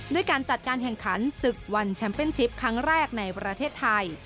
ด้วยการจัดการแข่งขันศึกวันแชมเป็นชิปครั้งแรกในประเทศไทย